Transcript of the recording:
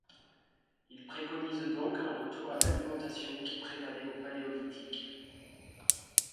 Ils préconisent donc un retour à l'alimentation qui prévalait au Paléolithique.